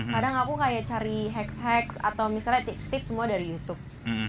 kadang aku kayak cari hax hack atau misalnya tips tips semua dari youtube